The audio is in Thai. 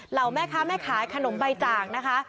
เหล่าแม่ค้าแม่ขายขนมใบจากนะคะ